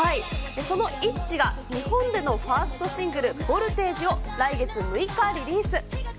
そのイッチが、日本でのファーストシングル、Ｖｏｌｔａｇｅを来月６日リリース。